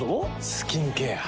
スキンケア。